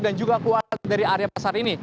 dan juga keluar dari area pasar ini